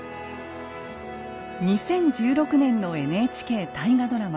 ２０１６年のＮＨＫ大河ドラマ